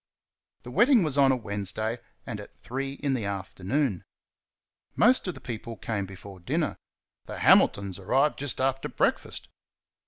The wedding was on a Wednesday, and at three o'clock in the afternoon. Most of the people came before dinner; the Hamiltons arrived just after breakfast.